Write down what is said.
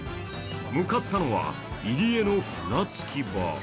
向かったのは入り江の船着き場。